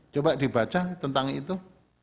coba dibaca tentang itu